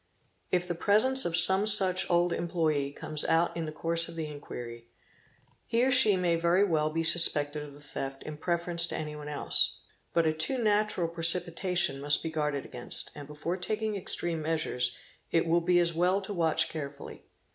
If the presence of some such old employé comes out in the course of the inquiry, he or she may very well be suspected of the theft in prefer ence to anyone else; but a too natural precipitation must be guarded against and before taking extreme measures it will be as well to watch carefully.